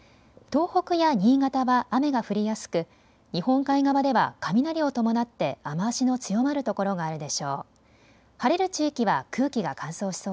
東北や新潟は雨が降りやすく日本海側では雷を伴って雨足の強まる所があるでしょう。